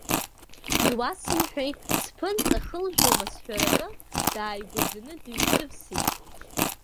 Иуасымҳәеи, сԥынҵа хылжәома сҳәаратәы дааигәаӡаны дыҩсывсит.